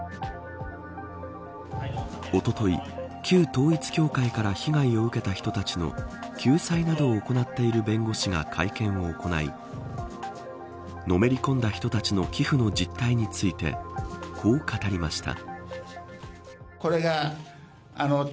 おととい、旧統一教会から被害を受けた人たちの救済などを行っている弁護士が会見を行いのめり込んだ人たちの寄付の実態についてこう語りました。